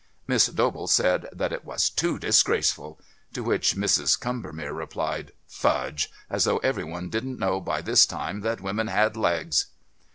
Miss Dobell said that "it was too disgraceful," to which Mrs. Combermere replied "Fudge! As though every one didn't know by this time that women had legs!"